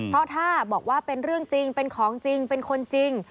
เพราะถ้าบอกว่าเป็นเรื่องจริงเป็นของจริงเป็นคนจริง